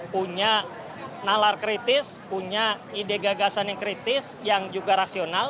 punya nalar kritis punya ide gagasan yang kritis yang juga rasional